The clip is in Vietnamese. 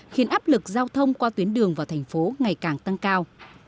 khiến áp lực giao thông qua tuyến đường vào thành phố ngày càng tăng cao